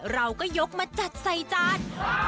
เราก็ยกมาจัดใส่จาน